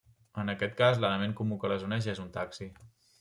En aquest cas, l'element comú que les uneix és un taxi.